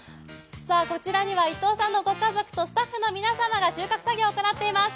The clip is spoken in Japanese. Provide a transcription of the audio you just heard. こちらには伊藤さんのご家族とスタッフの皆さんが収穫作業を行っています。